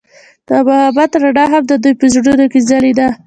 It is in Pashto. د محبت رڼا هم د دوی په زړونو کې ځلېده.